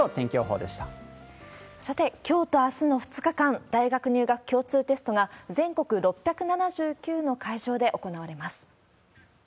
さて、きょうとあすの２日間、大学入学共通テストが全国６７９の会場で行われます。